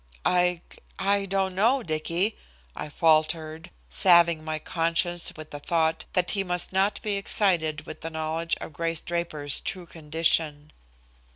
"I I don't know, Dicky," I faltered, salving my conscience with the thought that he must not be excited with the knowledge of Grace Draper's true condition.